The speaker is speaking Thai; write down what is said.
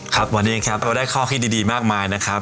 ครับวันนี้ครับเราได้ข้อคิดดีมากมายนะครับ